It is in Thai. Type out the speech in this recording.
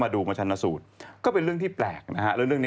กลัวว่าผมจะต้องไปพูดให้ปากคำกับตำรวจยังไง